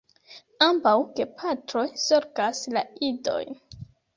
Ambaŭ gepatroj zorgas la idojn.